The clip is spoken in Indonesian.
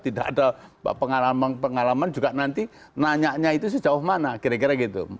tidak ada pengalaman pengalaman juga nanti nanya itu sejauh mana kira kira gitu